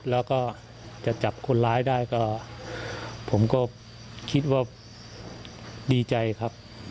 แล้วก็จะจับคนร้ายได้ก็ผมก็คิดว่าดีใจครับ